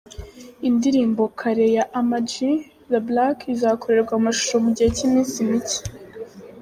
Indirimbo Care ya Ama G The Black izakorerwa amashusho mu gihe cy’iminsi mike .